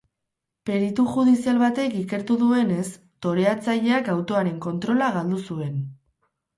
Peritu judizial batek ikertu duenez, toreatzaileak autoaren kontrola galdu zuen.